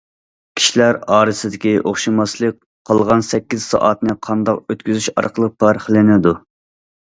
كىشىلەر ئارىسىدىكى ئوخشىماسلىق قالغان سەككىز سائەتنى قانداق ئۆتكۈزۈش ئارقىلىق پەرقلىنىدۇ.